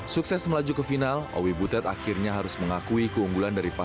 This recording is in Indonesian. sukses melaju ke final owi butet akhirnya harus mengakui keunggulan dari pasangan